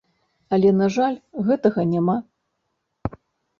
Але, на жаль, гэтага няма.